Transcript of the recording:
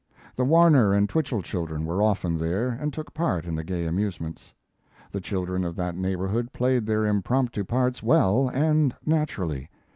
The Warner and Twichell children were often there and took part in the gay amusements. The children of that neighborhood played their impromptu parts well and naturally.